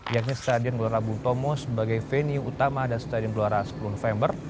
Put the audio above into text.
yakni stadion gelora bung tomo sebagai venue utama dan stadion gelora sepuluh november